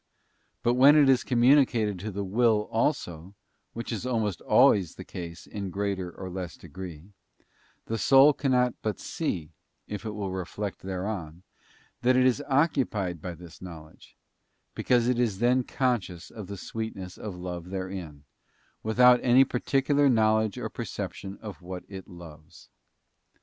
But when it is communicated to the will also, which is almost always the case in a greater or less degree, the soul cannot but see, if it will reflect thereon, that it is occupied by this knowledge; because it is then conscious of the sweetness of love therein, without any particular knowledge or perception of what it loves.